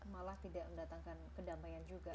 malah tidak mendatangkan kedamaian juga